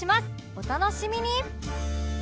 お楽しみに！